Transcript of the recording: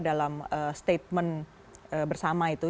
dalam statement bersama itu